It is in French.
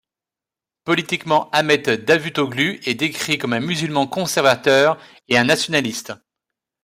Politiquement, Ahmet Davutoğlu est décrit comme un musulman conservateur et un nationaliste.